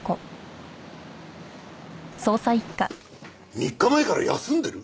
３日前から休んでる！？